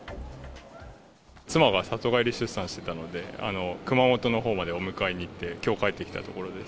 妻が里帰り出産してたので、熊本のほうまでお迎えに行って、きょう、帰ってきたところです。